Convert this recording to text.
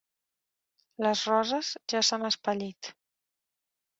Les roses ja s'han espellit.